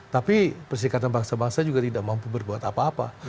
tapi perserikatan bangsa bangsa juga tidak mampu berbuat apa apa